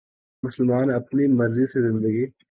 مسلمان اپنی مرضی سے زندگی